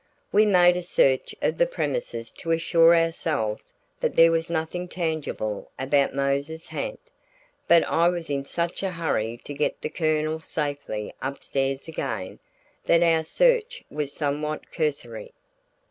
We made a search of the premises to assure ourselves that there was nothing tangible about Mose's ha'nt; but I was in such a hurry to get the Colonel safely upstairs again, that our search was somewhat cursory.